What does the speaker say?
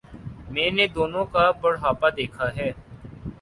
میں نے دونوں کا بڑھاپا دیکھا ہے۔